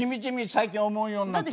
最近思うようになった。